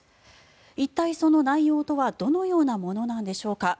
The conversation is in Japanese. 一体その内容とはどのようなものなんでしょうか。